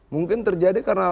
mungkin terjadi karena